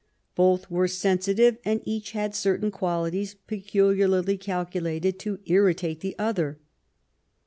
Both were sensitive, and each had certain qualities peculiarly calculated to irritate the other.